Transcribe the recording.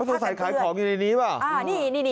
ถือใส่ขายของอยู่ในนี้ละ